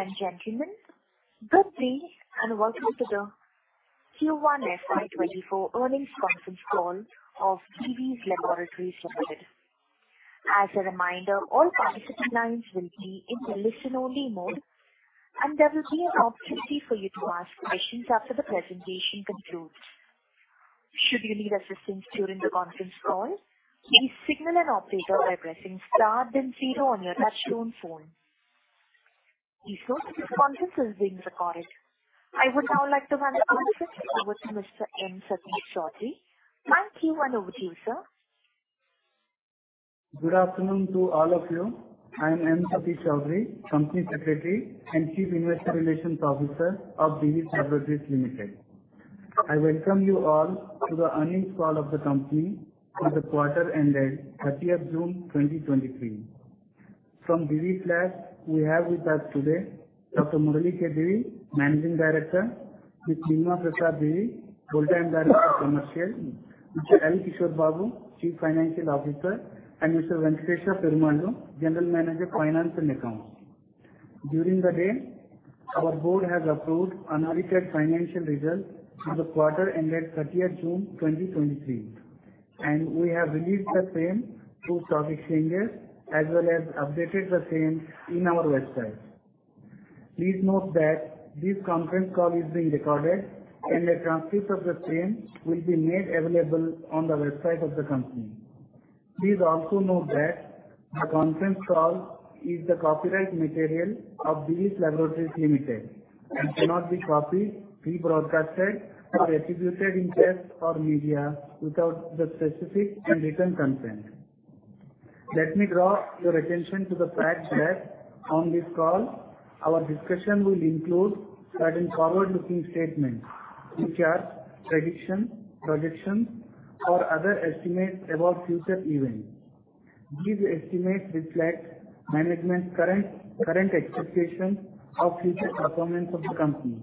Ladies and gentlemen, good day, and welcome to the Q1 FY24 earnings conference call of Divi's Laboratories Limited. As a reminder, all participant lines will be in a listen-only mode, and there will be an opportunity for you to ask questions after the presentation concludes. Should you need assistance during the conference call, please signal an operator by pressing Star then 0 on your touchtone phone. Please note that this conference is being recorded. I would now like to hand over to Mr. M. Satish Choudhury. Thank you, and over to you, sir. Good afternoon to all of you. I am M. Satish Choudhury, Company Secretary and Chief Investor Relations Officer of Divi's Laboratories Limited. I welcome you all to the earnings call of the company for the quarter ended 30th June, 2023. From Divi's Labs, we have with us today Dr. Murali K. Divi, Managing Director; Mrs. Nilima Prasad Divi, Whole-time Director, Commercial; Mr. L. Kishore Babu, Chief Financial Officer; and Mr. Venkateshwar Perumalla, General Manager, Finance and Accounts. During the day, our board has approved unaudited financial results for the quarter ended 30th June, 2023, and we have released the same to stock exchanges, as well as updated the same in our website. Please note that this conference call is being recorded, and a transcript of the same will be made available on the website of the company. Please also note that the conference call is the copyright material of Divi's Laboratories Limited and cannot be copied, rebroadcasted, or attributed in text or media without the specific and written consent. Let me draw your attention to the fact that on this call, our discussion will include certain forward-looking statements, which are predictions, projections, or other estimates about future events. These estimates reflect management's current expectations of future performance of the company.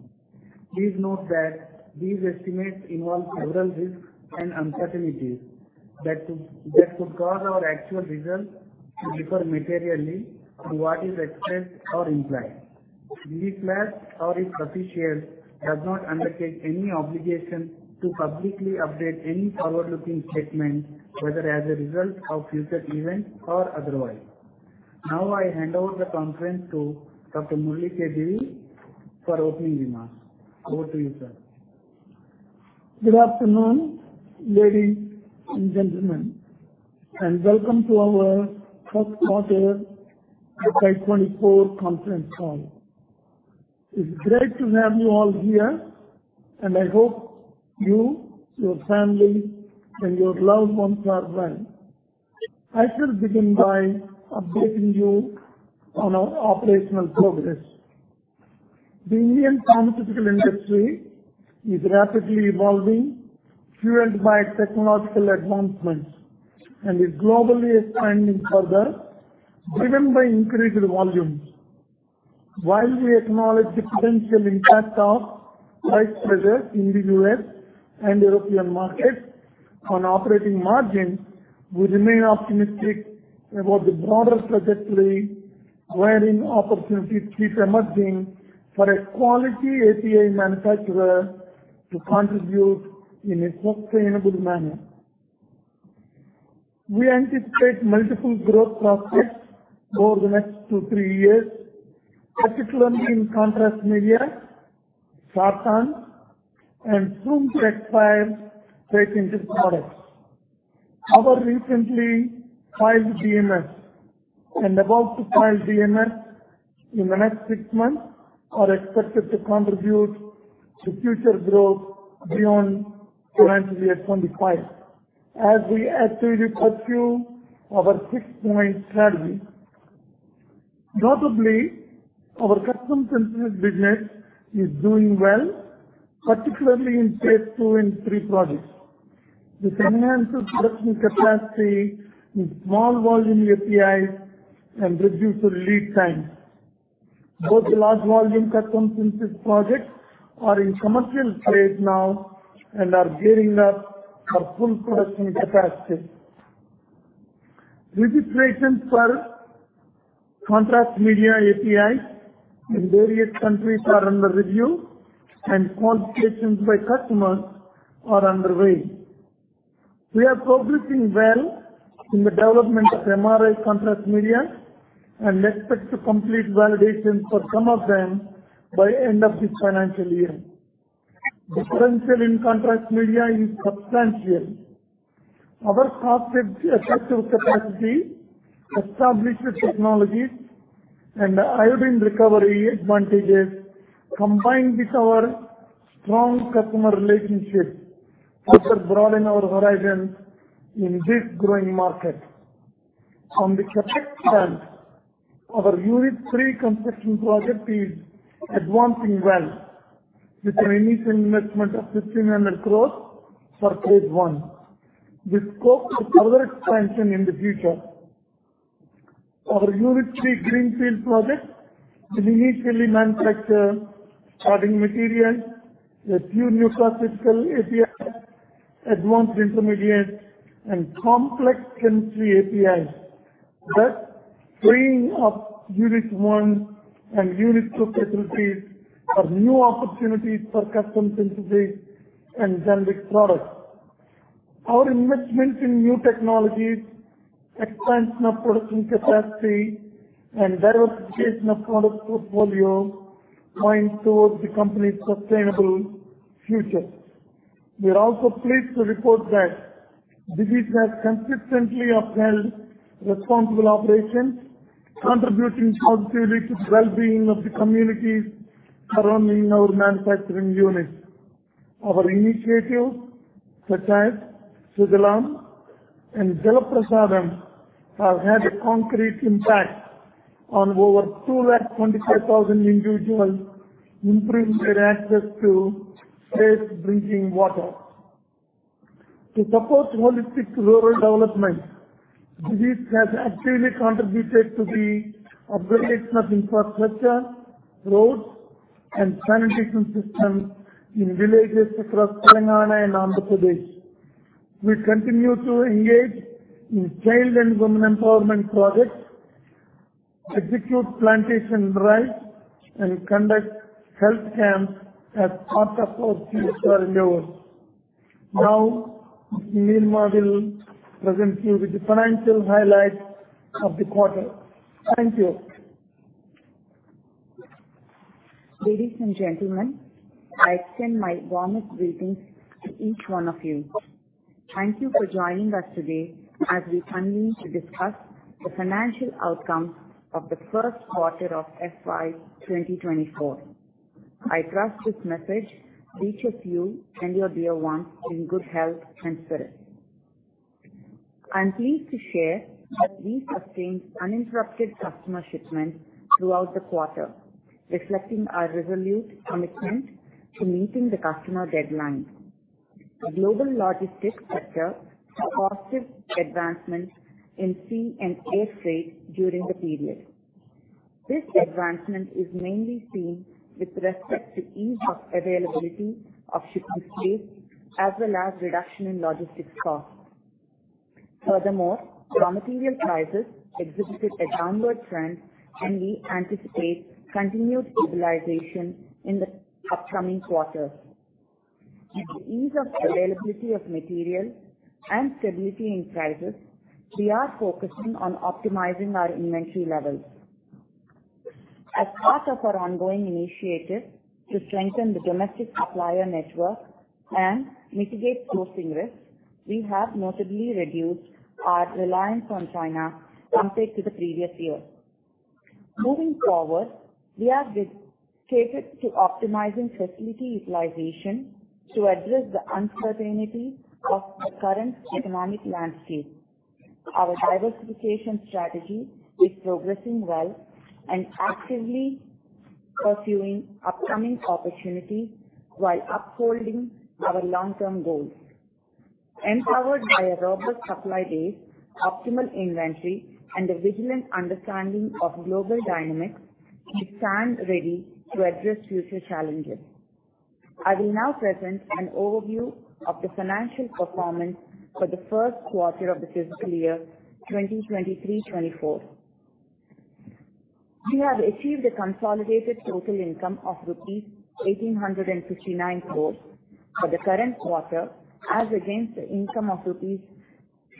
Please note that these estimates involve several risks and uncertainties that could cause our actual results to differ materially from what is expressed or implied. Divi's Labs or its officials does not undertake any obligation to publicly update any forward-looking statements, whether as a result of future events or otherwise. Now, I hand over the conference to Dr. Murali K. Divi for opening remarks. Over to you, sir. Good afternoon, ladies and gentlemen, and welcome to our first quarter FY24 conference call. It's great to have you all here, and I hope you, your family, and your loved ones are well. I shall begin by updating you on our operational progress. The Indian pharmaceutical industry is rapidly evolving, fueled by technological advancements, and is globally expanding further, driven by increased volumes. While we acknowledge the potential impact of price pressures in the U.S. and European markets on operating margins, we remain optimistic about the broader trajectory, wherein opportunities keep emerging for a quality API manufacturer to contribute in a sustainable manner. We anticipate multiple growth prospects over the next 2, 3 years, particularly in contrast media, Sartans, and soon-to-expire patent products. Our recently filed DMFs and about to file DMFs in the next six months, are expected to contribute to future growth beyond financially at 25 as we actively pursue our six-domain strategy. Notably, our custom synthesis business is doing well, particularly in phase II and III projects. This enhances production capacity in small volume APIs and reduces lead times. Both the large volume custom synthesis projects are in commercial phase now and are gearing up for full production capacity. Registration for contrast media APIs in various countries are under review, and qualifications by customers are underway. We are progressing well in the development of MRI contrast media and expect to complete validation for some of them by end of this financial year. Differential in contrast media is substantial. Our cost-effective capacity, established technologies, and iodine recovery advantages, combined with our strong customer relationships, further broaden our horizons in this growing market. On the capacity front, our Unit III construction project is advancing well with an initial investment of 1,500 crore for Phase I. The scope for further expansion in the future. Our Unit III greenfield project will initially manufacture starting materials with few new pharmaceutical APIs, advanced intermediates and complex chemistry APIs. Freeing up Unit 1 and Unit 2 facilities are new opportunities for custom synthesis and generic products. Our investments in new technologies, expansion of production capacity, and diversification of product portfolio going towards the company's sustainable future. We are also pleased to report that Divi's has consistently upheld responsible operations, contributing positively to the well-being of the communities surrounding our manufacturing units. Our initiatives, such as Sugalam and Jal Prashadam, have had a concrete impact on over 225,000 individuals, improving their access to safe drinking water. To support holistic rural development, Divi's has actively contributed to the upgradation of infrastructure, roads, and sanitation systems in villages across Telangana and Andhra Pradesh. We continue to engage in child and women empowerment projects, execute plantation drives, and conduct health camps as part of our CSR endeavors. Now, Nilima will present you with the financial highlights of the quarter. Thank you. Ladies and gentlemen, I extend my warmest greetings to each one of you. Thank you for joining us today as we convene to discuss the financial outcomes of the first quarter of FY 2024. I trust this message reaches you and your dear ones in good health and spirit. I'm pleased to share that we've sustained uninterrupted customer shipments throughout the quarter, reflecting our resolute commitment to meeting the customer deadlines. The global logistics sector saw positive advancement in sea and air freight during the period. This advancement is mainly seen with respect to ease of availability of shipping space, as well as reduction in logistics costs. Furthermore, raw material prices exhibited a downward trend, and we anticipate continued stabilization in the upcoming quarters. With the ease of availability of material and stability in prices, we are focusing on optimizing our inventory levels. As part of our ongoing initiative to strengthen the domestic supplier network and mitigate sourcing risks, we have notably reduced our reliance on China compared to the previous year. Moving forward, we are dedicated to optimizing facility utilization to address the uncertainty of the current economic landscape. Our diversification strategy is progressing well and actively pursuing upcoming opportunities while upholding our long-term goals. Empowered by a robust supply base, optimal inventory, and a vigilant understanding of global dynamics, we stand ready to address future challenges. I will now present an overview of the financial performance for the first quarter of the fiscal year 2023, 2024. We have achieved a consolidated total income of INR 1,859 crore for the current quarter, as against the income of INR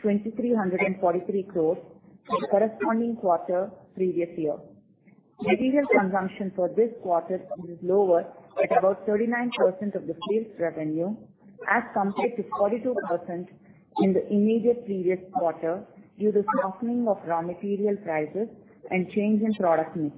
2,343 crore the corresponding quarter previous year. Material consumption for this quarter is lower at about 39% of the sales revenue, as compared to 42% in the immediate previous quarter, due to softening of raw material prices and change in product mix.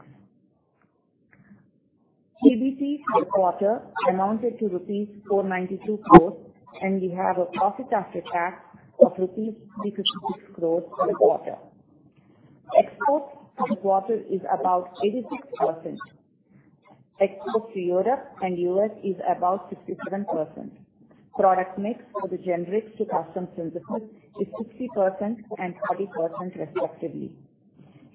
PBT for the quarter amounted to rupees 492 crore, and we have a profit after tax of rupees 66 crore for the quarter. Exports for the quarter is about 86%. Exports to Europe and US is about 67%. Product mix for the generics to custom synthesis is 60% and 40%, respectively.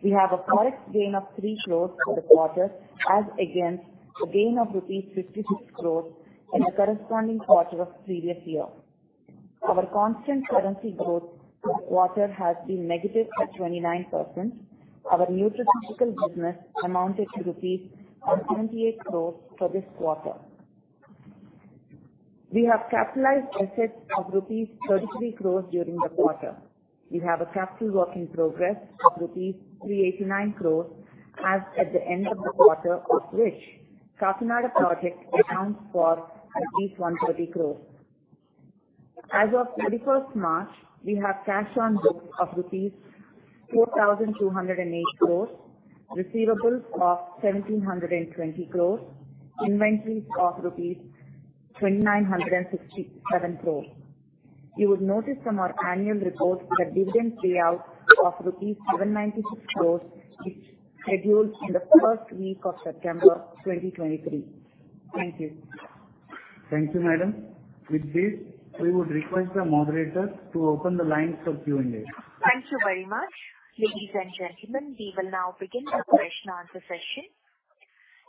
We have a Forex gain of 3 crore for the quarter, as against a gain of 56 crore in the corresponding quarter of the previous year. Our constant currency growth for the quarter has been negative at 29%. Our nutraceutical business amounted to rupees 78 crore for this quarter. We have capitalized assets of rupees 33 crore during the quarter. We have a capital work in progress of rupees 389 crore as at the end of the quarter, of which Karnataka project accounts for at least 130 crore. As of 31st March, we have cash on books of rupees 4,208 crore, receivables of 1,720 crore, inventories of rupees 2,967 crore. You would notice from our annual report the dividend payout of rupees 796 crore is scheduled in the first week of September 2023. Thank you. Thank you, madam. With this, we would request the moderators to open the lines for Q&A. Thank you very much. Ladies and gentlemen, we will now begin the question and answer session.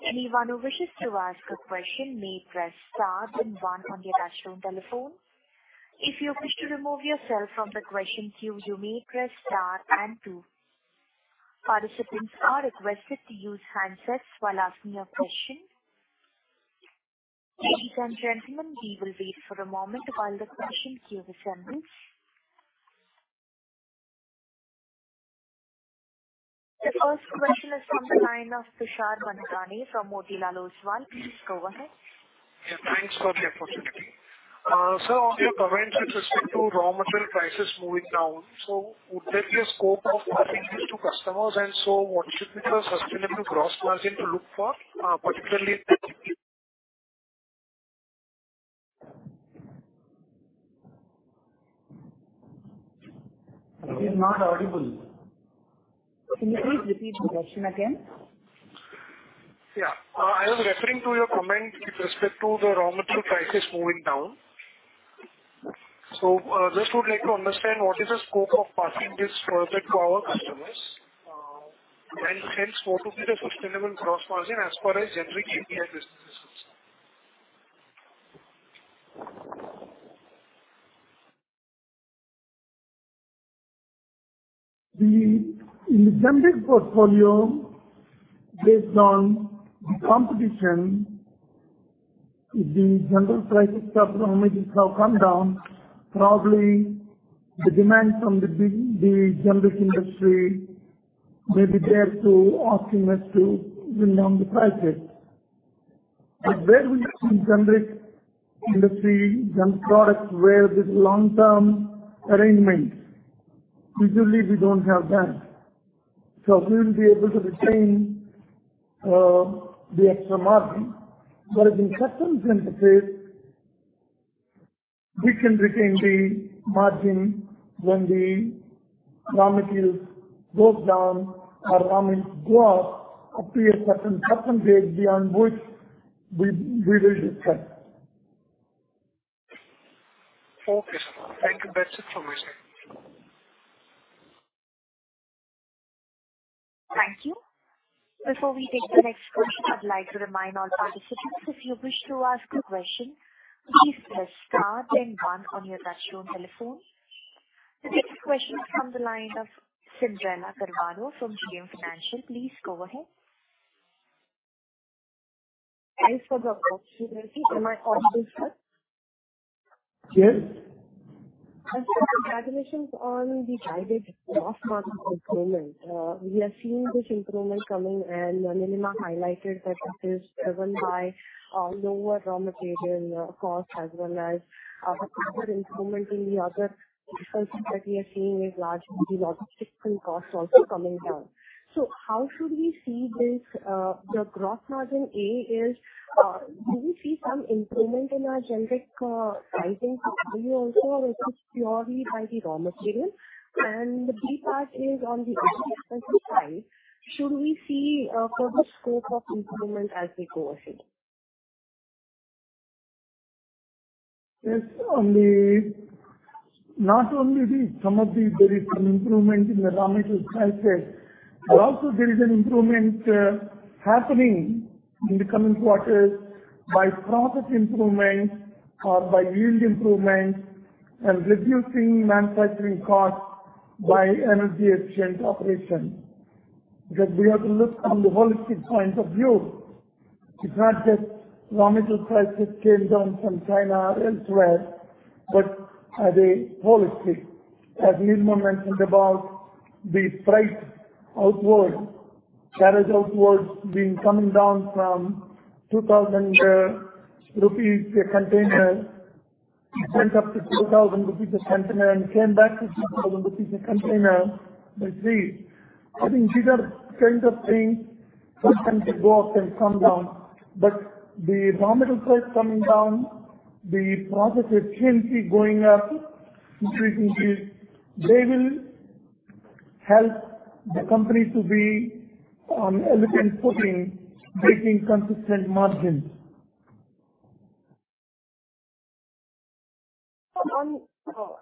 Anyone who wishes to ask a question may press star then one on your touchtone telephone. If you wish to remove yourself from the question queue, you may press star and two. Participants are requested to use handsets while asking a question. Ladies and gentlemen, we will wait for a moment while the question queue assembles. The first question is from the line of Tushar Manudhane from Motilal Oswal. Please go ahead. Yeah, thanks for the opportunity. Sir, on your comments with respect to raw material prices moving down, would there be a scope of passing this to customers? What should be the sustainable gross margin to look for, particularly? He's not audible. Can you please repeat the question again? Yeah. I was referring to your comment with respect to the raw material prices moving down. Just would like to understand, what is the scope of passing this product to our customers, and hence what will be the sustainable gross margin as far as generic API business is concerned? In the generic portfolio, based on the competition, if the general prices of raw materials have come down, probably the demand from the generic industry may be there to optimize to bring down the prices. Where we are in generic industry, generic products, where there's long-term arrangements, usually we don't have that, so we will be able to retain the extra margin. Whereas in custom synthesis, we can retain the margin when the raw materials goes down or raw materials drop up to a certain percentage, beyond which we will discuss. Okay. Thank you. That's it from my side. Thank you. Before we take the next question, I'd like to remind all participants, if you wish to ask a question, please press star then one on your touchtone telephone. The next question is from the line of Cyndrella Carvalho from JM Financial. Please go ahead. Thanks for the opportunity. Am I audible, sir? Yes. First of all, congratulations on the guided gross margin improvement. We have seen this improvement coming, Nilima highlighted that it is driven by, lower raw material, cost, as well as, other improvement in the other expenses that we are seeing is largely logistic costs also coming down. How should we see this, the gross margin, A, is, do we see some improvement in our generic, pricing scenario also, or is this purely by the raw material? The B part is on the expense side, should we see, further scope of improvement as we go ahead? Yes. Only, not only the some of the there is an improvement in the raw material prices, but also there is an improvement happening in the coming quarters by profit improvement or by yield improvement and reducing manufacturing costs by energy-efficient operation. Because we have to look from the holistic point of view. It's not just raw material prices came down from China or elsewhere, but as a holistic. As Nilima mentioned about the freight outward, carriage outwards being coming down from 2,000 rupees a container, went up to 3,000 rupees a container and came back to 2,000 rupees a container by sea. I think these are kinds of things, sometimes they go up and come down. But the raw material price coming down, the process efficiency going up increasingly, they will help the company to be on elegant footing, making consistent margins.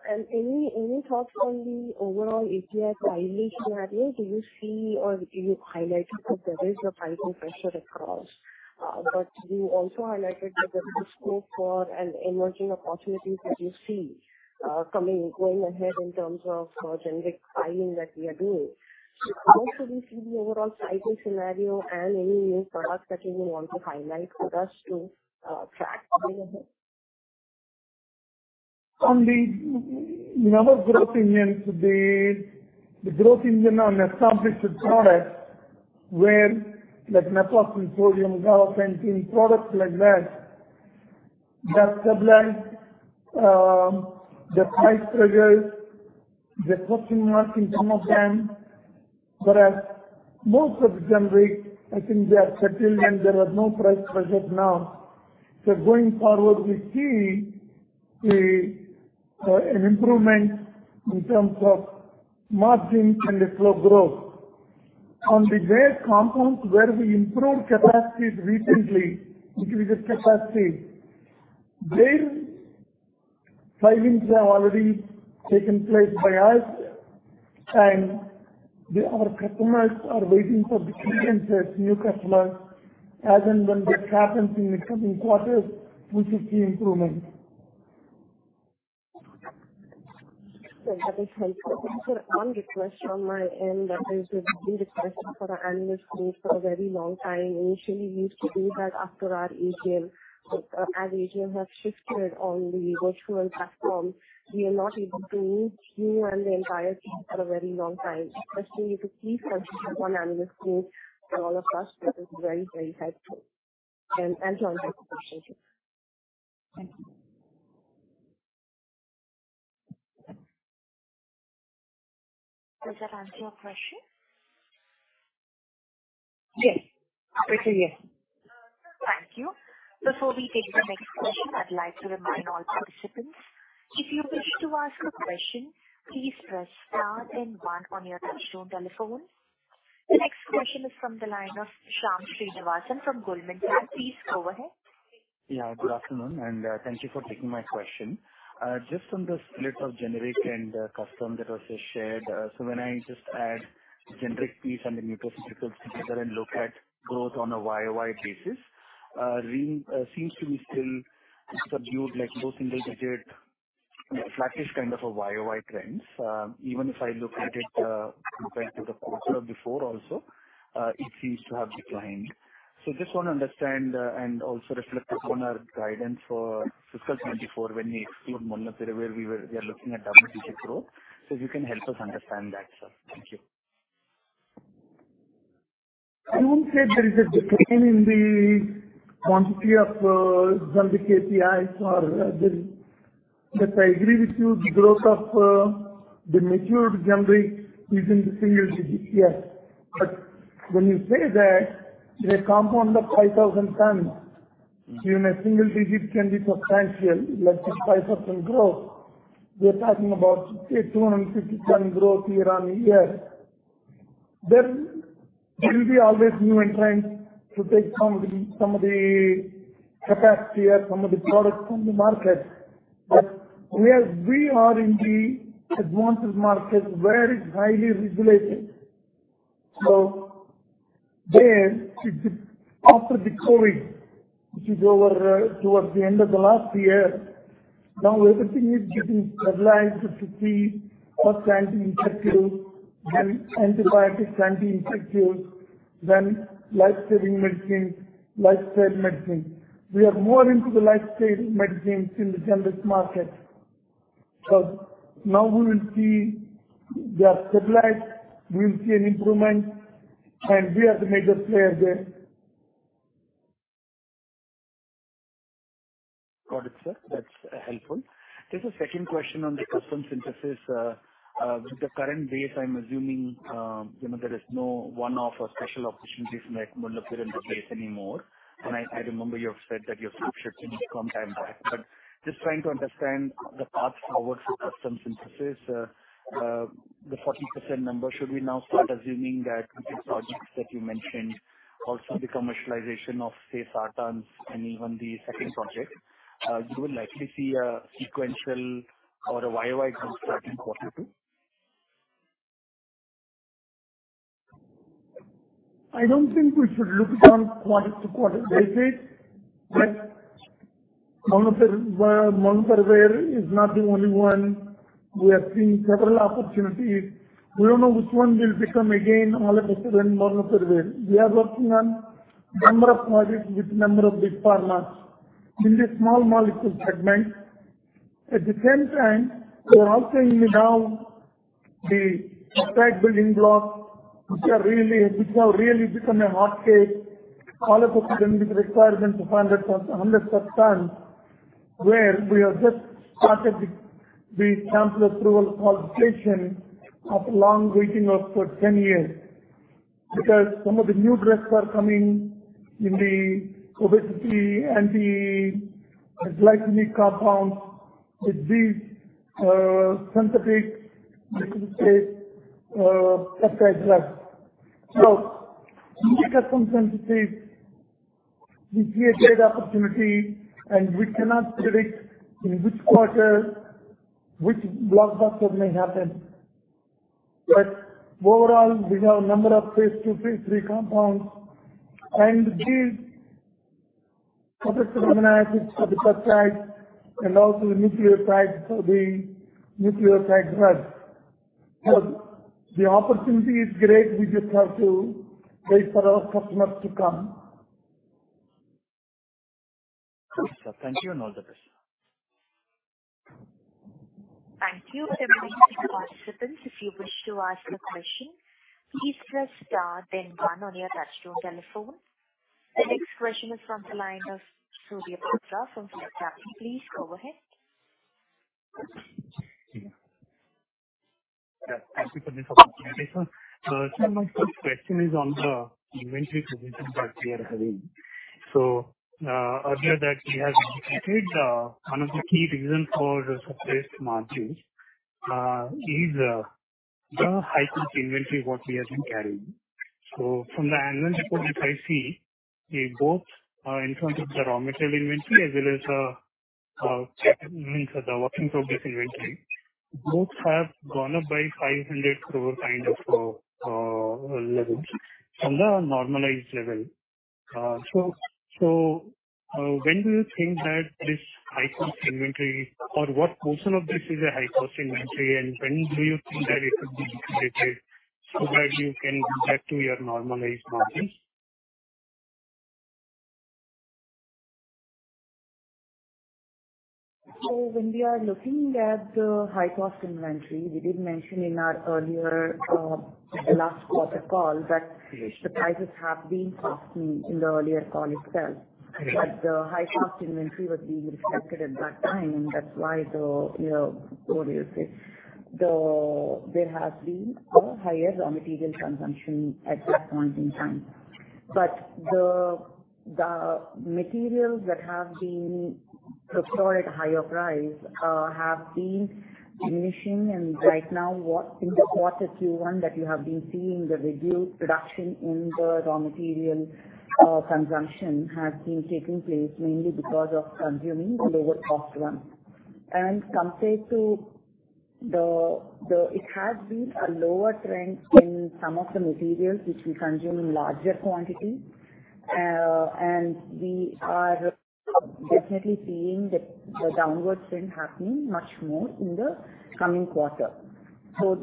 Any, any thoughts on the overall API pricing scenario? Do you see or you highlighted that there is a pricing pressure across, but you also highlighted that there is scope for an emerging opportunities that you see, coming, going ahead in terms of generic filing that we are doing. How should we see the overall pricing scenario and any new products that you may want to highlight for us to track going ahead? On the number growth engine, the growth engine on established products where, like Naproxen sodium, Galantamine, products like that, they are stabilized. The price pressures, they're question mark in some of them. As most of the generic, I think they are settled and there are no price pressures now. Going forward, we see a an improvement in terms of margins and the slow growth. On the rare compounds where we improved capacity recently, increased capacity, filings have already taken place by us, and the other customers are waiting for the clearances, new customers. As and when that happens in the coming quarters, we should see improvement. Sir, that is helpful. One request on my end, that has been requested for an annual school for a very long time. Initially, we used to do that after our AGM. As AGM has shifted on the virtual platform, we are not able to meet you and the entire team for a very long time. Especially if you please consider one annual school for all of us, that is very, very helpful. Thanks a lot for your presentation. Thank you. Does that answer your question? Yes. Absolutely, yes. Thank you. Before we take the next question, I'd like to remind all participants, if you wish to ask a question, please press Star then one on your touchtone telephone. The next question is from the line of Shyam Srinivasan from Goldman Sachs. Please go ahead. Yeah, good afternoon, and thank you for taking my question. Just on the split of generic and custom that was just shared. When I just add generic piece and the nutraceutical pieces together and look at growth on a YOY basis, seems to be still subdued, like low single digit, flattish kind of a YOY trends. Even if I look at it, compared to the quarter before also, it seems to have declined. Just want to understand, and also reflect upon our guidance for fiscal 2024, when we exclude Molnupiravir, where we were-- we are looking at double-digit growth. If you can help us understand that, sir. Thank you. I won't say there is a decline in the quantity of generic APIs or the. I agree with you, the growth of the matured generic is in the single digits, yes. When you say that they compound the 5,000 tons, even a single digit can be substantial, like 6%, 5% growth. We are talking about, say, 250 tons growth year-on-year. There will be always new entrants to take some of the, some of the capacity or some of the products from the market. Where we are in the advanced market, where it's highly regulated, so there it's after the COVID, which is over towards the end of the last year. Now everything is getting stabilized to see what kind of infection, having antibiotic, anti-infectives, then life-saving medicine, lifestyle medicine. We are more into the life-saving medicines in the generic market. Now we will see they are stabilized, we will see an improvement, and we are the major player there. Got it, sir. That's helpful. Just a second question on the custom synthesis. With the current base, I'm assuming, you know, there is no one-off or special opportunities like Molnupiravir in the case anymore. I, I remember you have said that you have shifted some time back, but just trying to understand the path forward for custom synthesis. The 40% number, should we now start assuming that the projects that you mentioned also the commercialization of, say, Sartans and even the second project, you will likely see a sequential or a YOY growth in Q2? I don't think we should look it on quarter to quarter. They say that Molnupiravir, Molnupiravir is not the only one. We have seen several opportunities. We don't know which one will become, again, all of us when Molnupiravir. We are working on number of projects with number of big pharmas in the small molecule segment. At the same time, we are also in now the peptide building block, which have really become a hot cake. All of a sudden, with requirement to find it from a 100 substance, where we have just started the sample approval qualification of long waiting for 10 years. Because some of the new drugs are coming in the obesity, anti-glycemic compounds with these, synthetic, let me say, peptide drugs. So in custom synthesis, we create opportunity, and we cannot predict in which quarter which blockbuster may happen. Overall, we have a number of phase two, phase three compounds, and these protected amino acids for the peptides and also the nucleotides for the nucleotide drugs. The opportunity is great. We just have to wait for our customers to come. Thank you, no other question. Thank you. Participants, if you wish to ask a question, please press star then one on your touch-tone telephone. The next question is from the line of Surya Patra from PhillipCapital. Please go ahead. Yeah, thank you for this opportunity, sir. So my first question is on the inventory position that we are having. So earlier that we have indicated, one of the key reasons for the suppressed margins is the high cost inventory what we have been carrying. So from the annual report, if I see, we both are in front of the raw material inventory as well as means the working progress inventory. Both have gone up by 500 crore kind of levels from the normalized level. So when do you think that this high cost inventory or what portion of this is a high cost inventory, and when do you think that it would be liquidated so that you can get to your normalized margins? When we are looking at the high cost inventory, we did mention in our earlier, the last quarter call that the prices have been costing in the earlier call itself. Correct. The high cost inventory was being reflected at that time, and that's why, you know, there has been a higher raw material consumption at that point in time. The materials that have been procured at higher price have been diminishing. Right now, what in the quarter Q1 that you have been seeing, the reduced production in the raw material consumption has been taking place mainly because of consuming the lower cost one. Compared to the, it has been a lower trend in some of the materials which we consume in larger quantity. We are definitely seeing the downward trend happening much more in the coming quarter.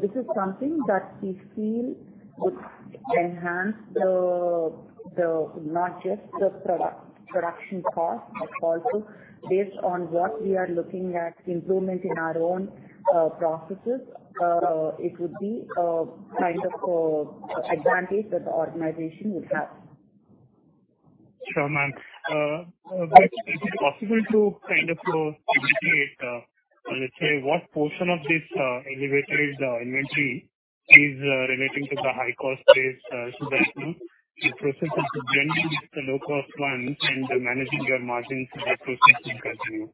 This is something that we feel would enhance the, not just the product production cost, but also based on what we are looking at improvement in our own processes. It would be a kind of advantage that the organization would have. Sure, ma'am. Is it possible to kind of delineate, let's say, what portion of this elevated inventory is relating to the high cost base, so that, you know, the process of blending the low cost one and managing your margins, that process will continue?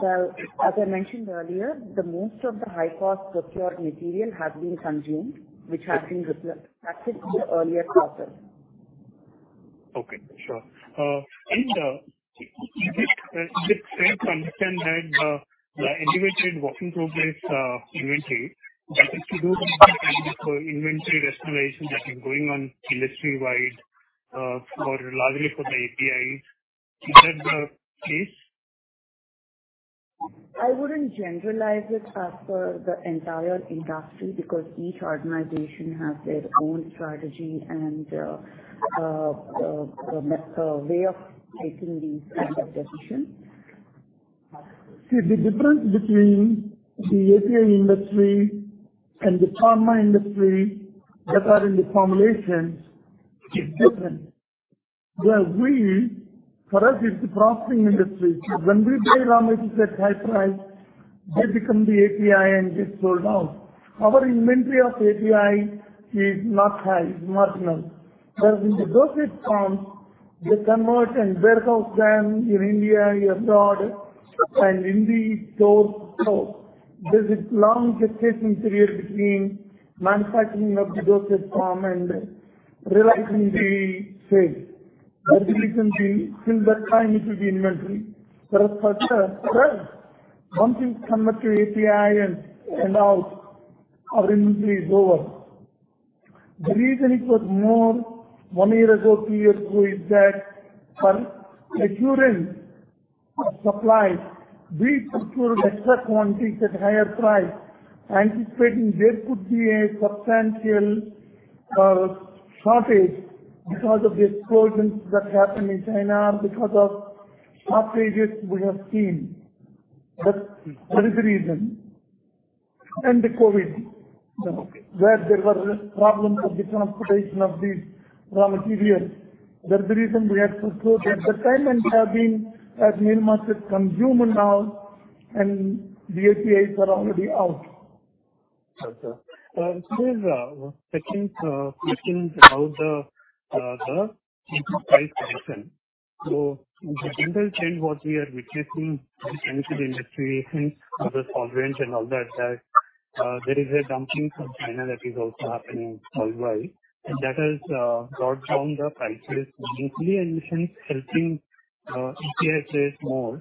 Well, as I mentioned earlier, the most of the high cost procured material has been consumed, which has been reflected in the earlier quarter. Okay, sure. This, this same understand that, the integrated working progress, inventory, that is to do with the inventory restoration that is going on industry-wide, for largely for the APIs. Is that the case? I wouldn't generalize it as per the entire industry, because each organization has their own strategy and the way of taking these kind of decisions. See, the difference between the API industry and the pharma industry that are in the formulations is different. Where we, for us, it's the processing industry. When we buy raw materials at high price, they become the API and get sold out. Our inventory of API is not high, it's marginal. Whereas in the dosage forms, they convert and warehouse them in India, abroad and in the store. There's a long gestation period between manufacturing of the dosage form and realizing the sale. Until recently, till that time it will be inventory. For us, once you convert to API and, and out, our inventory is over. The reason it was more 1 year ago, 2 years ago, is that for securing supplies, we secured extra quantities at higher price, anticipating there could be a substantial shortage because of the explosions that happened in China, because of shortages we have seen. That, that is the reason. The COVID- Okay. where there were problems of the transportation of these raw materials. That's the reason we had to store at that time, and have been at minimal consumed now and the APIs are already out. Okay. There's a second question about the price question. In the general trend, what we are witnessing in terms of the industry and other solvents and all that, that there is a dumping from China that is also happening worldwide, and that has brought down the prices, mostly, I think, helping API sales more.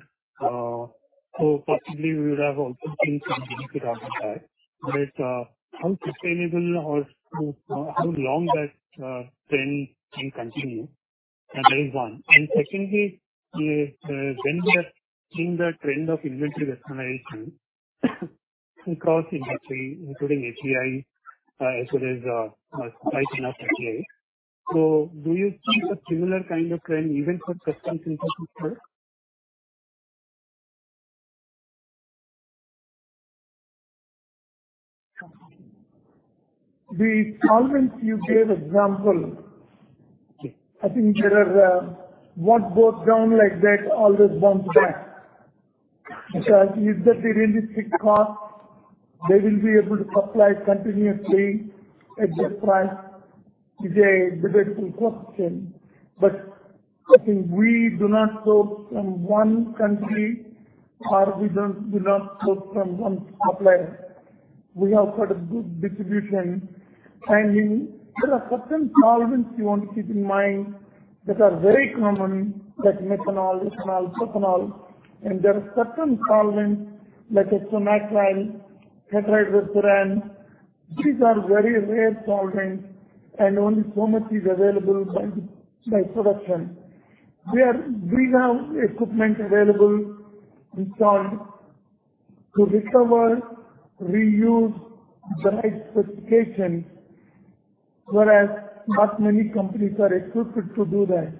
Possibly, we would have also seen some benefit out of that. How sustainable or how, how long that trend can continue? That is one. Secondly, when we are seeing the trend of inventory rationalization across industry, including API, as well as supply chain of API. Do you think a similar kind of trend even for substance into future? The solvents you gave example... Okay. I think there are, what goes down like that, always bounce back. If they really stick to cost, they will be able to supply continuously at that price. It's a difficult question, I think we do not source from one country or we don't, do not source from one supplier. We have got a good distribution. There are certain solvents you want to keep in mind that are very common, like methanol, ethanol, propanol. There are certain solvents like acetonitrile, tetrahydrofuran. These are very rare solvents and only so much is available by production. We have equipment available installed to recover, reuse the right specifications, whereas not many companies are equipped to do that.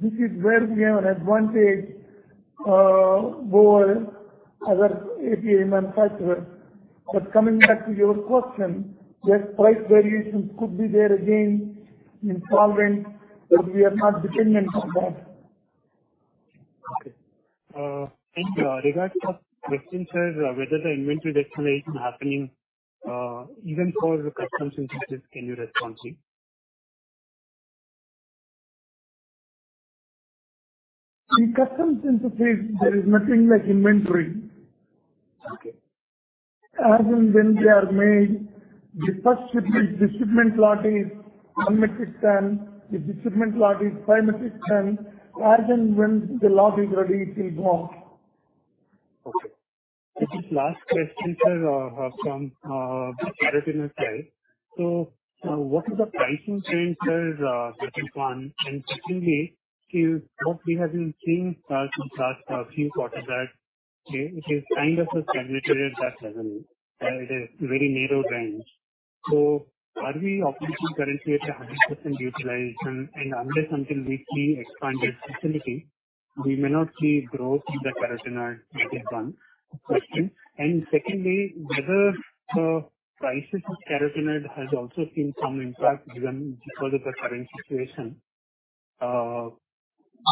This is where we have an advantage over other API manufacturers. Coming back to your question, yes, price variations could be there again in solvents, but we are not dependent on that. Okay, thank you. Regarding the question, sir, whether the inventory deceleration is happening, even for the custom synthesis, can you respond to? In custom synthesis, there is nothing like inventory. Okay. As and when they are made, the first shipment, the shipment lot is 1 metric ton. If the shipment lot is 5 metric ton, as and when the lot is ready, it will go out. Okay, this is last question, sir, from Carotenoids. What is the pricing trend, sir? That is one. Secondly, we have been seeing since last few quarters that it is kind of a saturated at that level, and it is very narrow range. Are we operating currently at 100% utilization? Unless until we see expanded facility, we may not see growth in the Carotenoids. That is one question. Secondly, whether the prices of Carotenoids has also seen some impact given because of the current situation.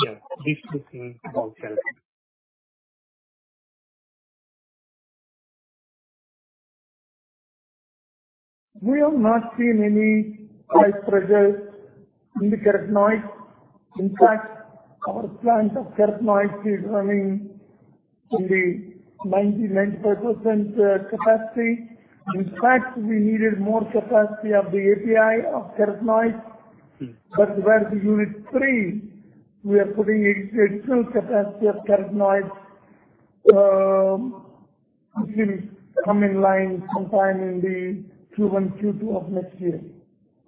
Yeah, these two things about Carotenoids. We have not seen any price pressures in the Carotenoids. In fact, our plant of Carotenoids is running in the 90%-95% capacity. In fact, we needed more capacity of the API of Carotenoids. Where the Unit 3, we are putting in additional capacity of Carotenoids, which will come in line sometime in the Q1, Q2 of next year.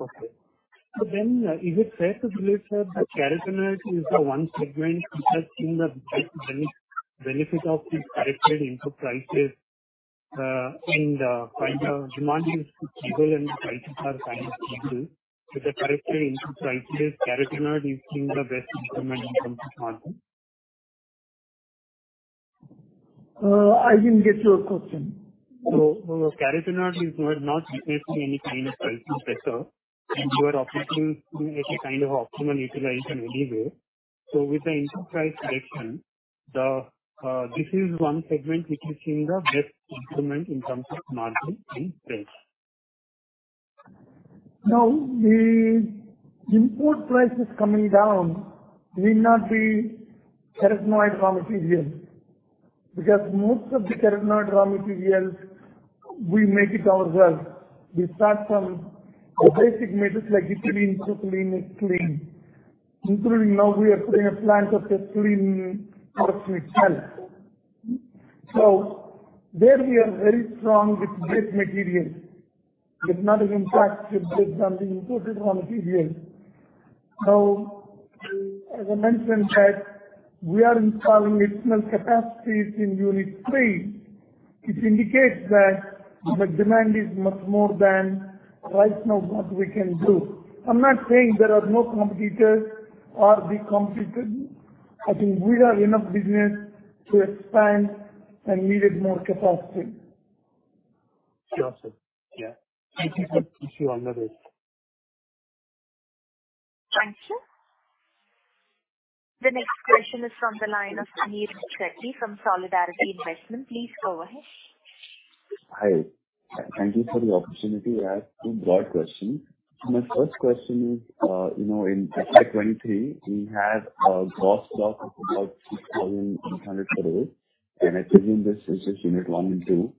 Okay. Is it fair to believe, sir, that Carotenoids is the one segment which has seen the benefit, benefit of the corrected input prices, and demand is stable and prices are kind of stable. With the corrected input prices, Carotenoids is seeing the best improvement in terms of margin? I didn't get your question. Carotenoids is not facing any kind of pricing pressure, and you are operating at a kind of optimal utilization anyway. With the input price correction, the, this is one segment which is seeing the best improvement in terms of margin and price. No, the import prices coming down will not be Carotenoids raw material, because most of the Carotenoids raw materials we make it ourselves. We start from the basic methods like ethylene, propylene, ethylene. Including now we are putting a plant of ethylene oxide itself. There we are very strong with base materials. It's not again, fact, it's something imported raw materials. As I mentioned that we are installing additional capacities in Unit III, which indicates that the demand is much more than right now what we can do. I'm not saying there are no competitors or the competitors. I think we have enough business to expand and needed more capacity. Got it. Yeah, this is an issue I noticed. Thank you. The next question is from the line of Anirudh Shetty from Solidarity Investment. Please go ahead. Hi, thank you for the opportunity. I have two broad questions. My first question is, you know, in fiscal 2023, we had a gross stock of about 6,800 crore, and I presume this is just Unit 1 and 2.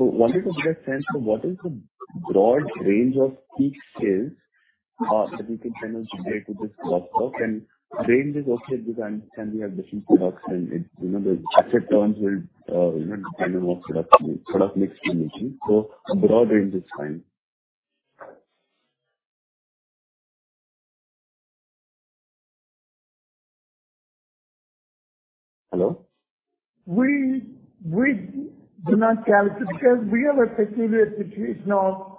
Wanted to get a sense of what is the broad range of peak sales, that you can kind of relate to this gross stock? And range is okay, because I understand we have different products and, you know, the asset terms will, you know, depend on what product, product mix you are using. So a broad range is fine. Hello? We do not calculate because we have a peculiar situation of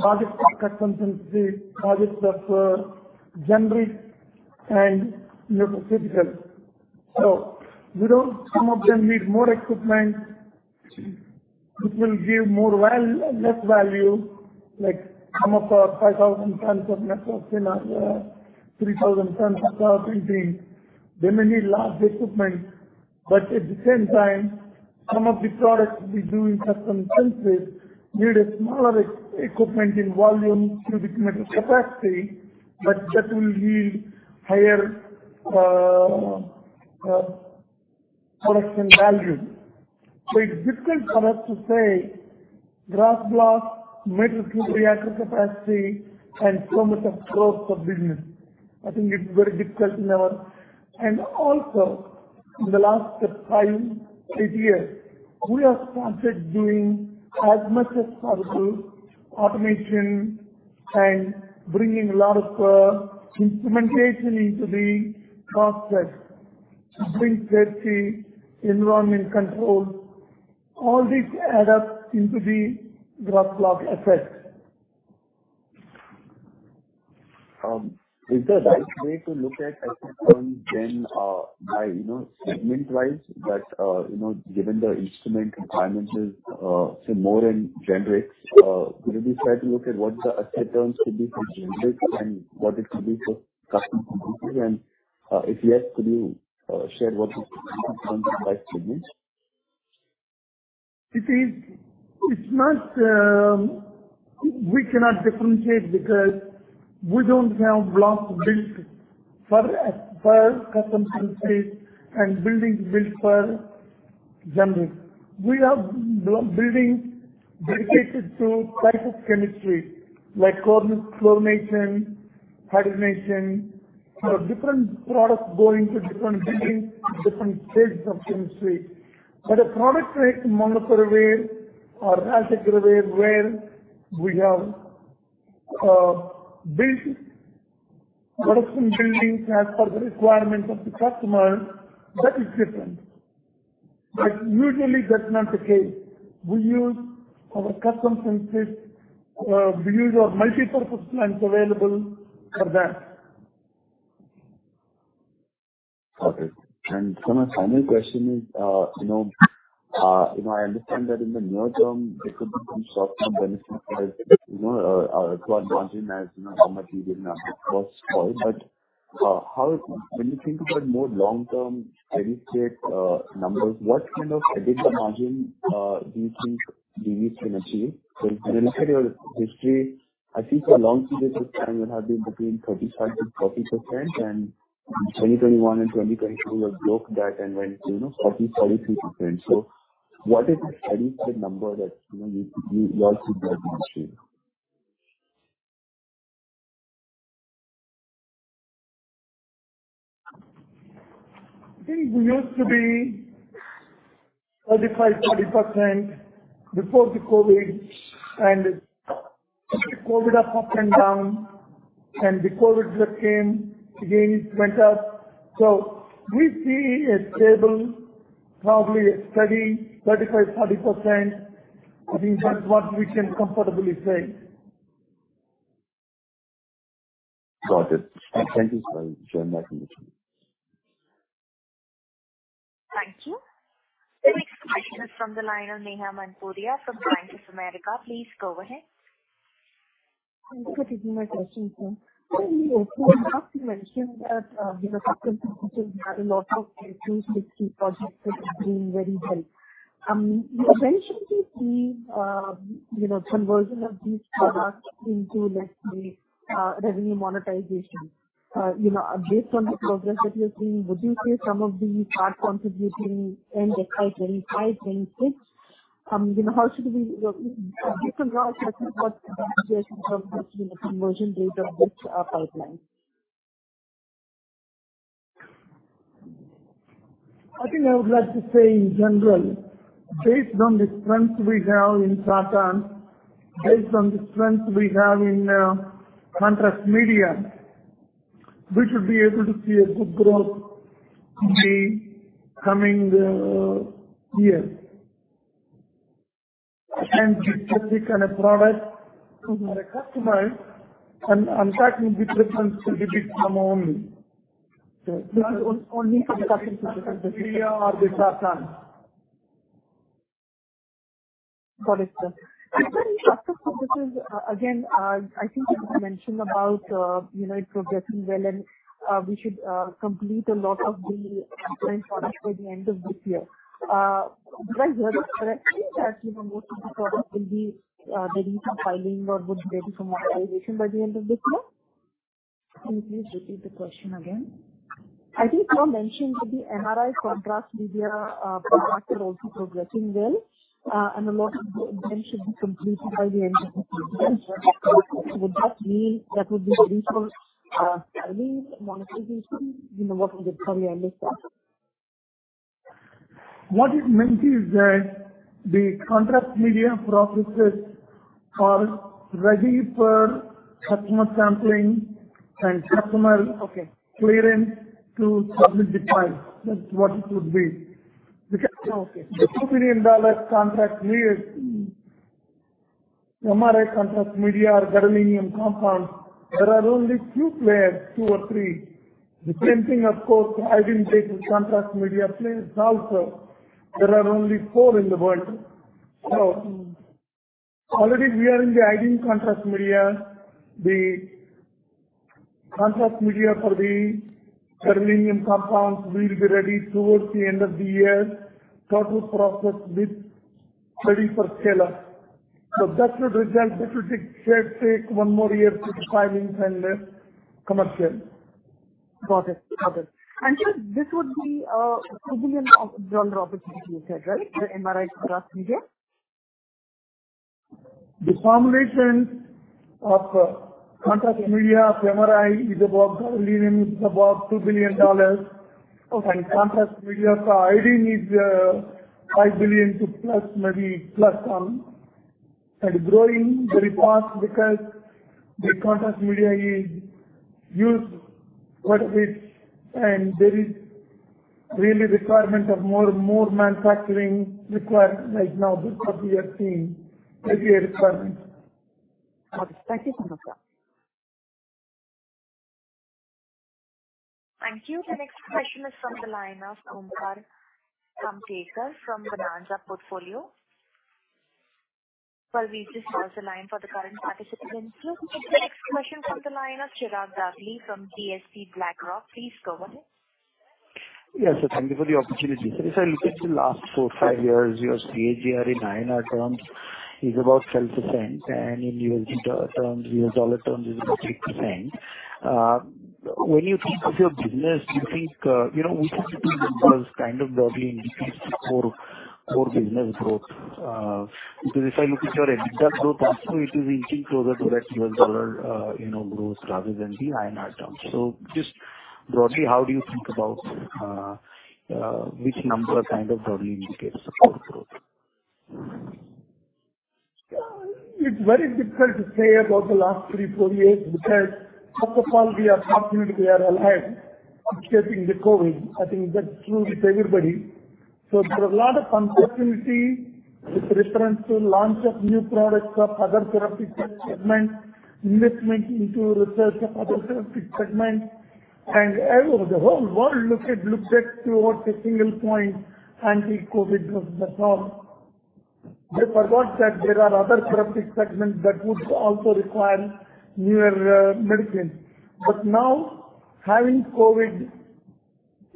projects of custom synthesis, projects of, generic and nutraceutical. So we don't. Some of them need more equipment- Mm-hmm. which will give more value, less value, like some of our 5,000 tons of methoxy, 3,000 tons of carbamazepine. They may need large equipment. At the same time, some of the products we do in custom synthesis need a smaller equipment in volume, cubic metal capacity, but that will yield higher production value. It's difficult for us to say glass block, metal reactor capacity, and so much of growth of business. I think it's very difficult, never. Also in the last 5-8 years, we have started doing as much as possible automation and bringing a lot of instrumentation into the process, to bring safety, environment control, all these add up into the glass block effect. Is the right way to look at then, segment-wise, but given the instrument requirements is, say, more in generics, could we try to look at what the asset terms could be for generics and what it could be for custom synthesis? If yes, could you share what it looks like to me? It is, it's not, we cannot differentiate because we don't have blocks built per, per custom synthesis and buildings built per generics. We have buildings dedicated to type of chemistry, like chlorination, hydrogenation, for different products going to different buildings, different states of chemistry. A product like monocarbyl or alticarbyl, where we have built production buildings as per the requirement of the customer, that is different. Usually that's not the case. We use our custom synthesis, we use our multipurpose plants available for that. Okay. My final question is, you know, you know, I understand that in the near term there could be some short-term benefits, you know, toward margin, as, you know, how much you did not cost all. How... When you think about more long-term steady-state numbers, what kind of EBITDA margin do you think you can achieve? When you look at your history, I think for a long period of time, you have been between 35%-40%, and 2021 and 2022, you broke that and went, you know, 40%, 43%. What is the steady-state number that, you know, you, you want to get in the stream? I think we used to be 35%-40% before the COVID, and the COVID up and down, and the COVID just came again, it went up. We see a stable, probably steady 35%-40%. I think that's what we can comfortably say. Got it. Thank you so much for sharing that information. Thank you. Next question is from the line of Neha Manpuria from Bank of America. Please go ahead. Thank you. My question is, so you mentioned that, you know, custom synthesis have a lot of projects that are doing very well. You mentioned the, you know, conversion of these products into, let's say, revenue monetization. You know, based on the progress that you're seeing, would you say some of the start contributing in the FY25, FY26? You know, how should we... Different, what conversion rate of which pipeline? I think I would like to say in general, based on the strength we have in Sartans, based on the strength we have in contrast media, we should be able to see a good growth in the coming years. This kind of product to the customer, and, and that will be different to the bit among only the contrast media or the Sartans. Got it, sir. Actually, after this is, again, I think you mentioned about, you know, it's progressing well, we should complete a lot of the different products by the end of this year. Do I hear that correctly, that most of the products will be ready for filing or would be ready for monetization by the end of this year? Can you please repeat the question again? I think you mentioned that the MRI contrast media products are also progressing well, and a lot of them should be completed by the end of this year. Would that mean that would be ready for monetization? You know, what is the timeline for that? What it means is that the contrast media processes are ready for customer sampling. Okay. Clearance to public define. That's what it would be. Okay. The $2 million contrast media, MRI contrast media or gadolinium compounds, there are only few players, 2 or 3. The same thing, of course, iodine-based contrast media players also, there are only 4 in the world. Already we are in the iodine contrast media. Contrast media for the gadolinium compounds will be ready towards the end of the year. Total process with ready for scale-up. That would result, this will take, take, take 1 more year to filings and commercial. Got it. Got it. Sir, this would be $2 billion opportunity you said, right? The MRI contrast media. The formulations of contrast media of MRI is about gadolinium, is about $2 billion. Okay. Contrast media for IR is 5 billion to plus, maybe plus some, and growing very fast because the contrast media is used quite a bit, and there is really requirement of more, more manufacturing required right now because we are seeing heavy requirement. Got it. Thank you so much, sir. Thank you. The next question is from the line of Omkar Kamtekar from Bonanza Portfolio. Well, we just closed the line for the current participant. The next question from the line of Chirag Dagli from DSP BlackRock. Please go ahead. Yes, sir, thank you for the opportunity. Sir, if I look at the last 4, 5 years, your CAGR in INR terms is about 12%, and in USD terms, US dollar terms, is about 8%. When you think of your business, you think, you know, which of the two numbers kind of broadly indicates the core, core business growth? Because if I look at your EBITDA growth also, it is inching closer to that US dollar, you know, growth rather than the INR terms. Just broadly, how do you think about which number kind of broadly indicates the core growth? it's very difficult to say about the last 3, 4 years, because first of all, we are fortunate we are alive escaping the COVID. I think that's true with everybody. there are a lot of opportunity with reference to launch of new products of other therapeutic segments, investment into research of other therapeutic segments. the whole world looked, looked at towards a 1 point, anti-COVID drugs, that's all. They forgot that there are other therapeutic segments that would also require newer medicines. now, having COVID,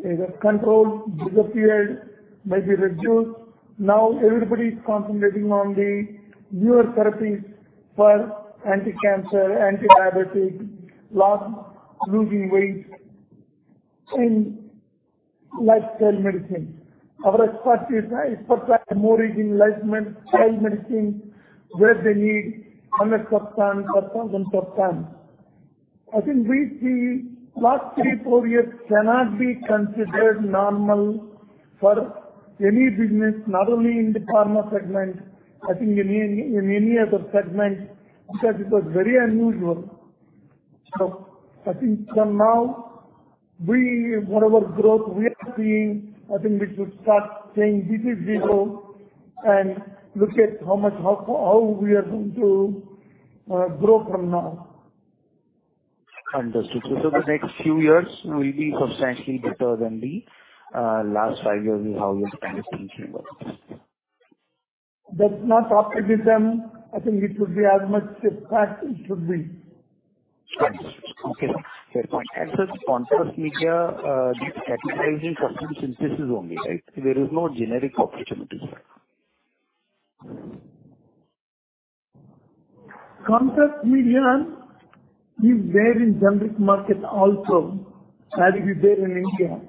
either controlled, disappeared, maybe reduced, now everybody is concentrating on the newer therapies for anti-cancer, anti-diabetic, losing weight, and lifestyle medicine. Our expertise is supply more in lifestyle medicine, where they need amlodipine, valsartan. I think we see last three, four years cannot be considered normal for any business, not only in the pharma segment, I think in any, in any other segment, because it was very unusual. I think from now, we, whatever growth we are seeing, I think we should start saying this is zero, and look at how much, how, how we are going to grow from now. Understood. The next few years will be substantially better than the last 5 years we have experienced in reverse. That's not optimism. I think it should be as much as fact it should be. Understood. Okay, sir. Fair point. contrast media, is categorizing custom synthesis only, right? There is no generic opportunity, sir? Contrast media is there in generic market also, is there in India.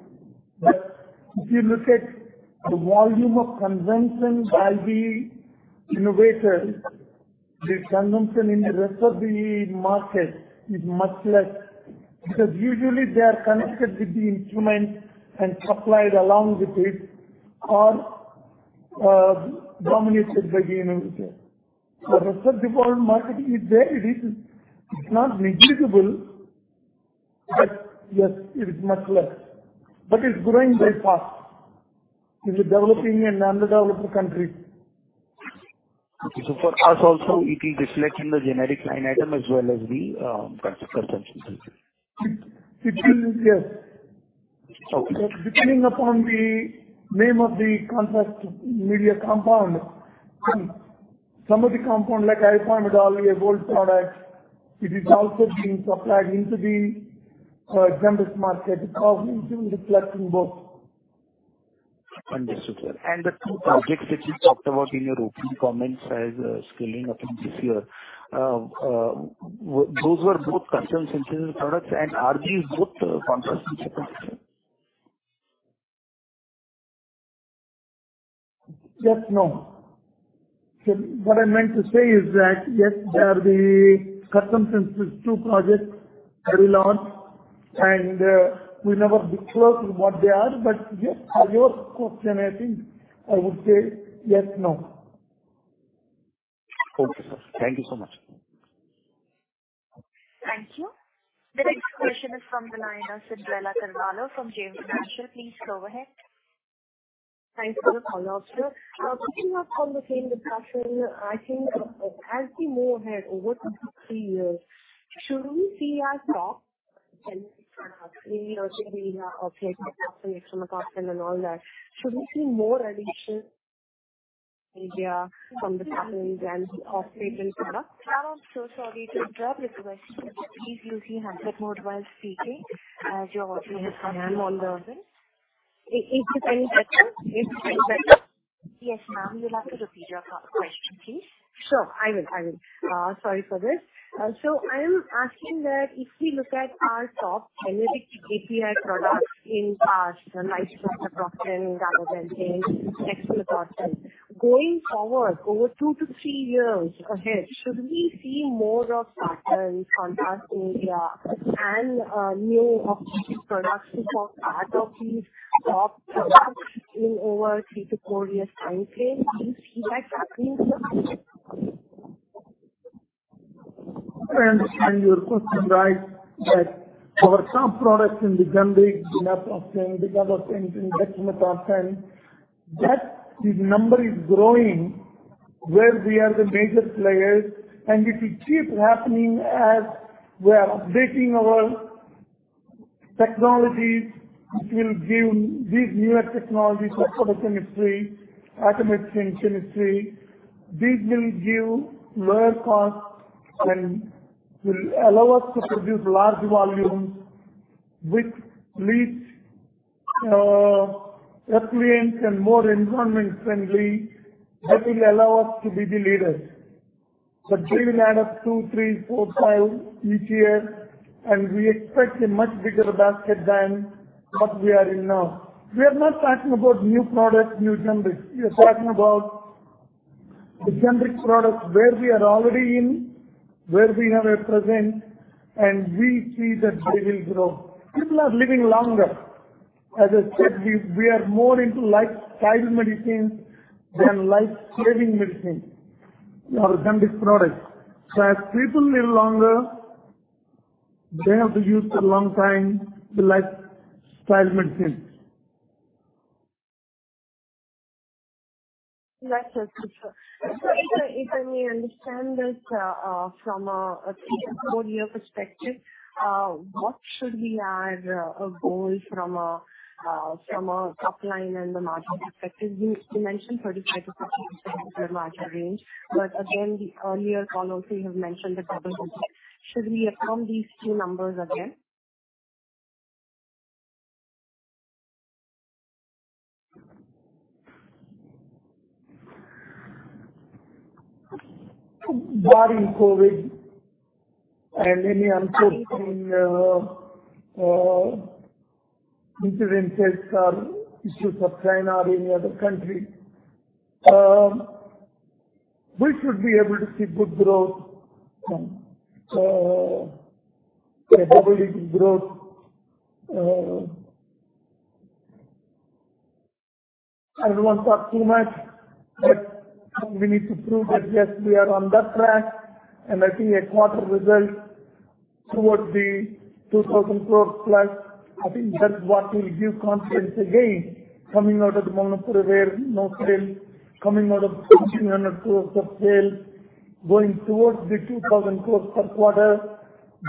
If you look at the volume of consumption by the innovator, the consumption in the rest of the market is much less, because usually they are connected with the instrument and supplied along with it, or dominated by the innovator. The rest of the world market is there. It is, it's not negligible, but yes, it is much less, but it's growing very fast in the developing and underdeveloped countries. Okay. For us also, it will reflect in the generic line item as well as the custom consumption synthesis. It will, yes. Okay. Depending upon the name of the contrast media compound. Some of the compound, like Iopamidol, our old product, it is also being supplied into the generic market because it's reflecting both. Understood, sir. The two projects which you talked about in your opening comments as scaling up in this year, those were both custom synthesis products, and are these both contrast synthesis? Yes, no. What I meant to say is that, yes, there are the custom synthesis, two projects, very large, and we never disclose what they are. Yes, for your question, I think I would say yes, no. Okay, sir. Thank you so much. Thank you. The next question is from the line of Cyndrella Carvalho from JM Financial. Please go ahead. Thanks for the call, sir. Picking up from the same discussion, I think as we move ahead over the next 3 years, should we see our stock and, 3-year journey of like extra margin and all that, should we see more addition?... India from the patterns and off patent products. I'm so sorry to interrupt, but please use your headset mode while speaking, as you're watching his hand on the other. Is this any better? Is this any better? Yes, ma'am. We'll have to repeat your question, please. Sure, I will. I will. Sorry for this. I am asking that if we look at our top generic API products in amoxicillin, clavulanate, and dutasteride. Going forward, over 2-3 years ahead, should we see more of pattern contrast media, India and, new optical products to talk out of these top products in over 3-4 years timeframe? Do you see that happening, sir? If I understand your question right, that our top products in the generic, amoxicillin, clavulanate, and Hexachlorophene, that the number is growing where we are the major players, and if we keep happening as we are updating our technologies, it will give these newer technologies for chemistry, automatic chain chemistry. These will give lower costs and will allow us to produce large volumes, which leads, refrigerant and more environment friendly. That will allow us to be the leaders. They will add up two, three, four, five each year, and we expect a much bigger basket than what we are in now. We are not talking about new products, new generics. We are talking about the generic products where we are already in, where we are at present, and we see that they will grow. People are living longer. As I said, we, we are more into lifestyle medicines than life-saving medicines or generic products. As people live longer, they have to use for a long time the lifestyle medicines. That's okay, sir. If I, if I may understand this, from a 3-4 year perspective, what should we add, a goal from a top line and the margin perspective? You mentioned 35%-40% of the margin range, but again, the earlier call also you have mentioned the double digit. Should we affirm these two numbers again? Barring COVID and any unforeseen incidences or issues of China or any other country, we should be able to see good growth, a double-digit growth. I don't want to talk too much, but we need to prove that, yes, we are on that track, and I think a quarter result towards the 2,000 crore plus, I think that's what will give confidence again, coming out of the Molnupiravir, where no sale, coming out of 200 crore of sale, going towards the 2,000 crore per quarter,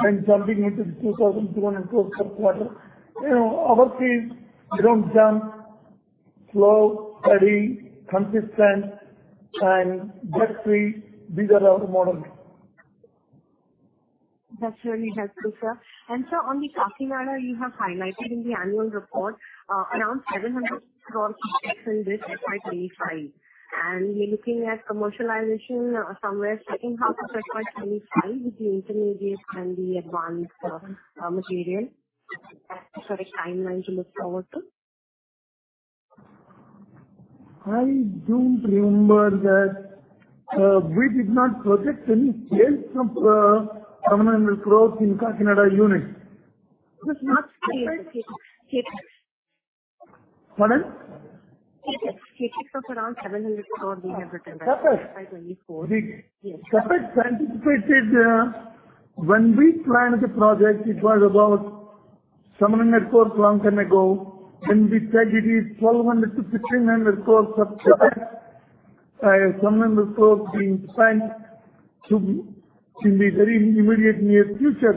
then jumping into the 2,200 crore per quarter. You know, our fees don't jump. Slow, steady, consistent, and debt-free. These are our models. That's really helpful, sir. Sir, on the Kakinada, you have highlighted in the annual report, around 700 crore in this by 2025, and you're looking at commercialization somewhere second half of 2025, with the intermediate and the advanced, material. Is that the correct timeline to look forward to? I don't remember that, we did not project any sales from, INR 700 crore in Kakinada unit. Not... Pardon? You took around INR 700 crore. Correct. By 2024. Correct. Anticipated, when we planned the project, it was about 700 crore long time ago, when we said it is 1,200 crore-1,500 crore per project. Some 100 crore being planned to, to be very immediate near future.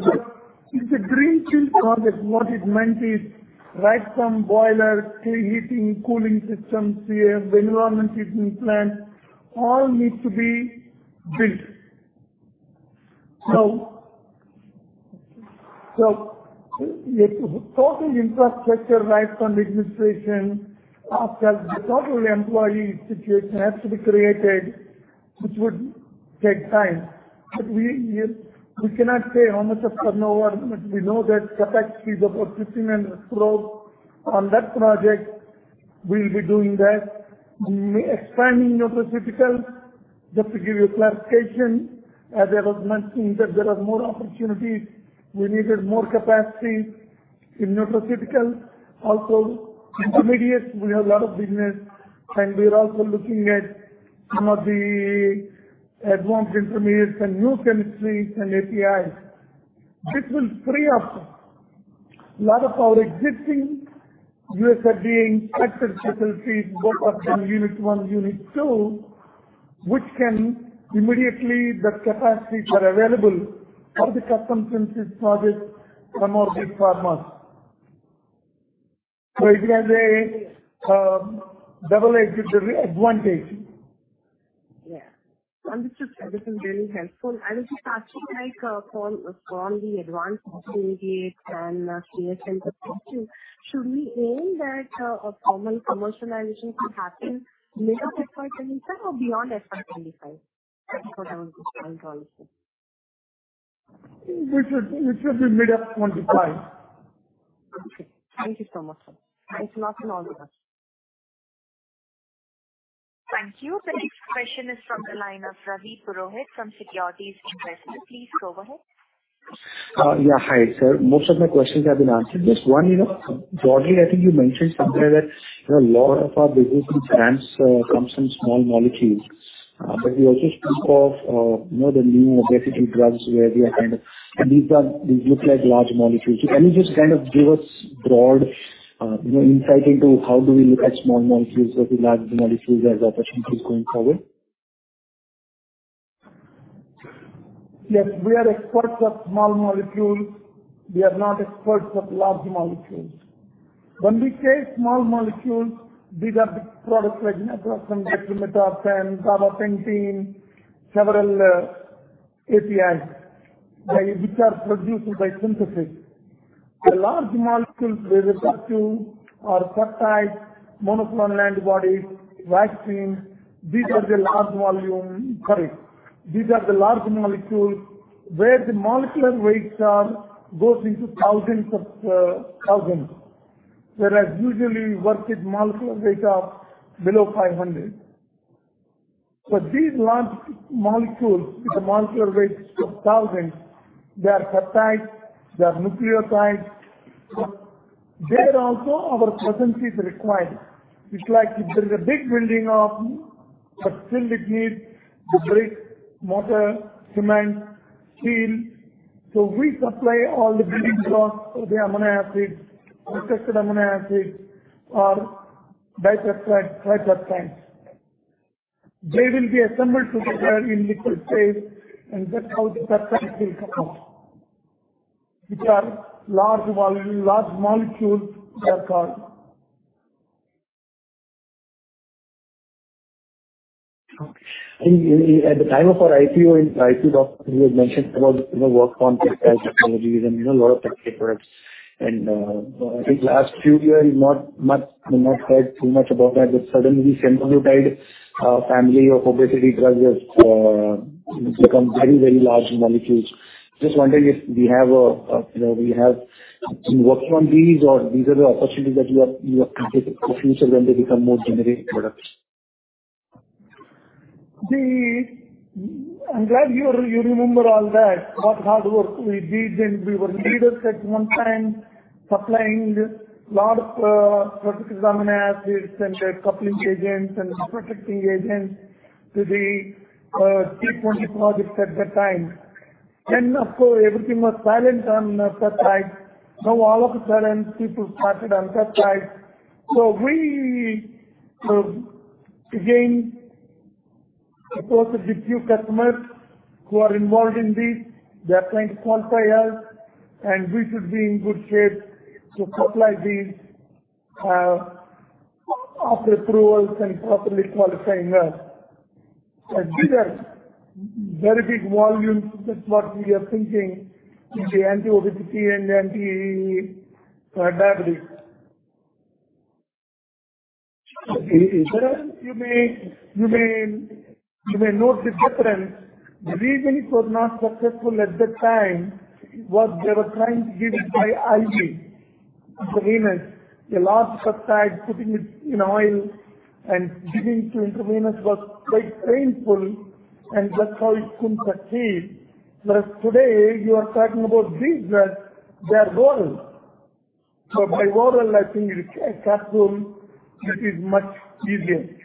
It's a greenfield project. What it meant is right from boiler, clean heating, cooling systems, the environment heating plant, all need to be built. The total infrastructure, right from the administration, after the total employee situation has to be created, which would take time. We, we cannot say how much of turnover, but we know that capacity is about 1,500 crore. On that project, we'll be doing that. We're expanding nutraceutical, just to give you clarification, as I was mentioning, that there are more opportunities. We needed more capacity in nutraceutical. Intermediates, we have a lot of business, and we are also looking at some of the advanced intermediates and new chemistries and APIs. This will free up a lot of our existing US FDA inspect facilities, both of them, Unit 1, Unit 2, which can immediately. That capacities are available for the custom synthesis projects from our big partners. It has a double-edged advantage. Yeah. Understood, sir. This is really helpful. Just asking, like, from, from the advanced stage and CS center, should we aim that a formal commercialization to happen mid of FY25 or beyond FY25? That was just my inquiry. It should be mid of 2025. Okay. Thank you so much, sir. It's much enormous. Thank you. The next question is from the line of Ravi Purohit from Securities Investor. Please go ahead. Yeah. Hi, sir. Most of my questions have been answered. Just one, you know, broadly, I think you mentioned somewhere that a lot of our business in France comes from small molecules. You also speak of, you know, the new obesity drugs, where we are kind of... These are- These look like large molecules. Can you just kind of give us broad, you know, insight into how do we look at small molecules or the large molecules as opportunities going forward? Yes, we are experts of small molecules. We are not experts of large molecules. When we say small molecules, these are the products like Nitroglycerin, Metformin, Carbamazepine, several APIs, which are produced by synthesis. The large molecules we refer to are peptides, monoclonal antibodies, vaccines. sorry. These are the large molecules where the molecular weights are, goes into thousands of thousands. Whereas usually we work with molecular weights are below 500. These large molecules, with the molecular weights of thousands, they are peptides, they are nucleotides. There also our presence is required. It's like if there is a big building of a facility, it needs the brick, mortar, cement, steel. We supply all the building blocks, the amino acids, protected amino acids, or dipeptides, tripeptides. They will be assembled together in liquid state, and that's how the peptides will come out, which are large volume, large molecules they are called. Okay. At the time of our IPO, in IPO, you had mentioned about the work on technologies and, you know, a lot of papers. I think last few years, not much, not heard too much about that, but suddenly Semaglutide family of obesity drugs has become very, very large molecules. Just wondering if we have a, you know, we have been working on these or these are the opportunities that you are, you are looking at the future when they become more generic products. I'm glad you, you remember all that, what hard work we did, and we were leaders at one time, supplying lot of protected amino acids and coupling agents and protecting agents to the C twenty projects at that time. Of course, everything was silent on the peptide. Now, all of a sudden, people started on peptide. We again, of course, the few customers who are involved in this, they are trying to qualify us, and we should be in good shape to supply these after approvals and properly qualifying us. These are very big volumes. That's what we are thinking in the anti-obesity and anti-diabetes. You may, you may, you may note the difference. The reason it was not successful at that time was they were trying to give it by IV, intravenous. A large peptide, putting it in oil and giving to intravenous was quite painful, that's how it couldn't succeed. Whereas today you are talking about these drugs, they are oral. By oral, I think it's a capsule. That is much easier.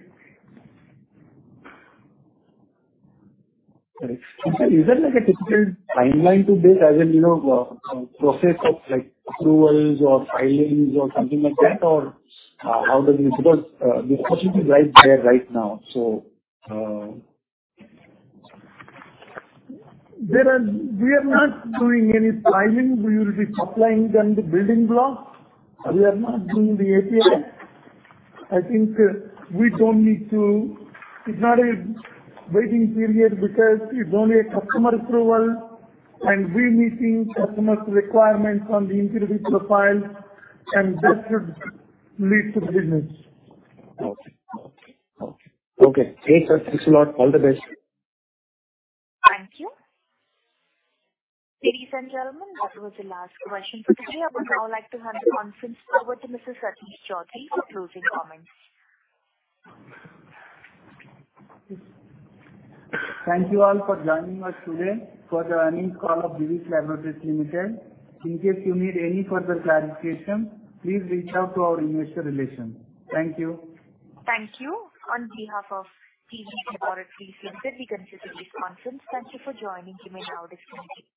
Right. Is that like a typical timeline to this? As in, you know, process of like approvals or filings or something like that, or, how does it... Because, the opportunity is right there right now. So... We are not doing any filing. We will be supplying them the building block. We are not doing the API. I think, we don't need to. It's not a waiting period because it's only a customer approval and we meeting customer's requirements on the individual file. That should lead to the business. Okay. Okay. Okay. Okay, thanks, sir. Thanks a lot. All the best. Thank you. Ladies and gentlemen, that was the last question for today. I would now like to hand the conference over to Mr. Satish Choudhury for closing comments. Thank you all for joining us today for the earnings call of Divi's Laboratories Limited. In case you need any further clarification, please reach out to our investor relations. Thank you. Thank you. On behalf of Divi's Laboratories Limited, we conclude today's conference. Thank you for joining. You may now disconnect.